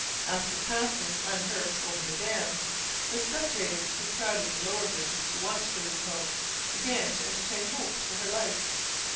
After passing unhurt over the dams, the spectators who crowded the lower bridges to watch the result, began to entertain hopes for her life.